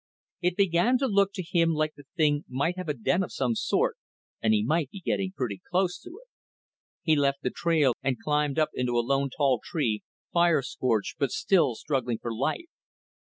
It began to look to him like the thing might have a den of some sort, and he might be getting pretty close to it. He left the trail and climbed up into a lone tall tree, fire scorched but still struggling for life.